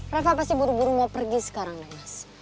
reva pasti buru buru mau pergi sekarang nih mas